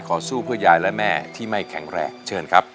สู้เพื่อยายและแม่ที่ไม่แข็งแรงเชิญครับ